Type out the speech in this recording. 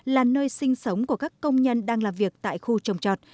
là nơi sinh sống của các công nhân đang làm việc tại khu trồng trọt